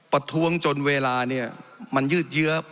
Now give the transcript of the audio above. ประท้วงจนเวลาเนี่ยมันยืดเยื้อ